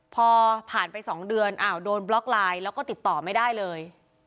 พอผ่านไป๒เดือนอ้าวโดนบล็อกไลน์แล้วก็ติดต่อไม่ได้เลย